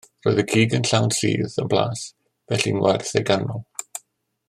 Roedd y cig yn llawn sudd a blas felly'n werth ei ganmol.